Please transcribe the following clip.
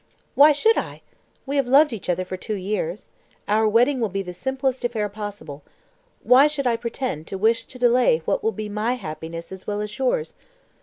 "Why should I? We have loved each other for two years. Our wedding will be the simplest affair possible. Why should I pretend to wish to delay what will be my happiness as well as yours?